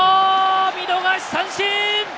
見逃し三振！